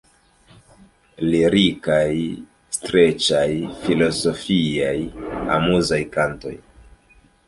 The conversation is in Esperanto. Lirikaj, streĉaj, filozofiaj, amuzaj kantoj.